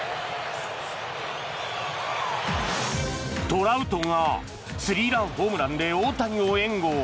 トラウトがスリーランホームランで大谷を援護。